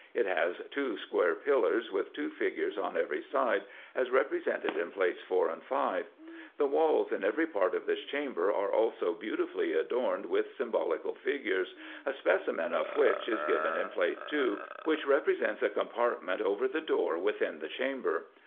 It has two square pillars with two figures on every side, as represented in Plates 4 and 5. The walls in every part of this chamber are also beautifully adorned with symbolical figures, a specimen of which is given in Plate 2, which represents a compartment over the door within the chamber.